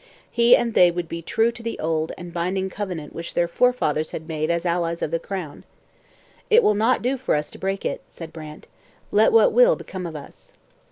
He and they would be true to the old and binding covenant which their forefathers had made as allies of the crown. 'It will not do for us to break it,' said Brant, 'let what will become of us.'